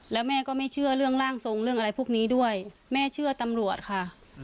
แล้วแม่ก็ไม่เชื่อเรื่องร่างทรงเรื่องอะไรพวกนี้ด้วยแม่เชื่อตำรวจค่ะ